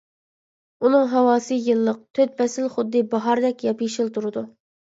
ئۇنىڭ ھاۋاسى يىللىق، تۆت پەسىل خۇددى باھاردەك ياپيېشىل تۇرىدۇ.